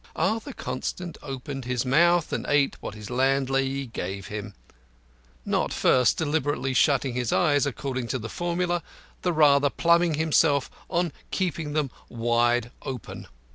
Arthur Constant opened his mouth and ate what his landlady gave him, not first deliberately shutting his eyes according to the formula, the rather pluming himself on keeping them very wide open.